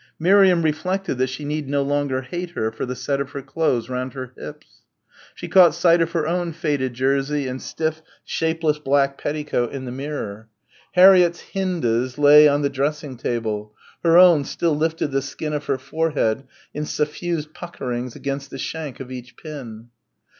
Miriam reflected that she need no longer hate her for the set of her clothes round her hips. She caught sight of her own faded jersey and stiff, shapeless black petticoat in the mirror. Harriett's "Hinde's" lay on the dressing table, her own still lifted the skin of her forehead in suffused puckerings against the shank of each pin.